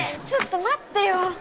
ちょっと待ってよ。